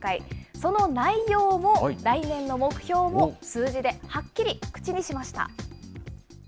その内容も、来年の目標も、数字ではっきり口にしました。